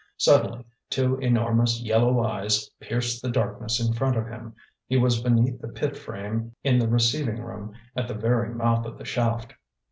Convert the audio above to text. Suddenly two enormous yellow eyes pierced the darkness in front of him. He was beneath the pit frame in the receiving room, at the very mouth of the shaft.